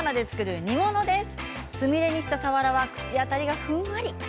つみれにした、さわらは口当たりがふんわり。